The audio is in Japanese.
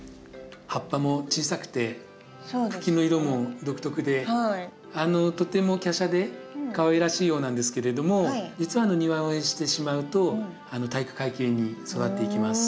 葉っぱも小さくて茎の色も独特でとてもきゃしゃでかわいらしいようなんですけれども実は庭植えしてしまうと体育会系に育っていきます。